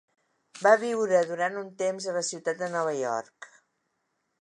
Va viure durant un temps a la ciutat de Nova York.